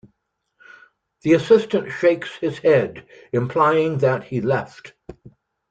The assistant shakes his head, implying that he left.